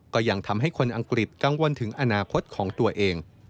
ก็ยังทำให้คนอังกฤษกังวลถึงอนาคตของตัวเอง